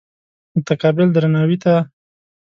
متقابل درناوي ته.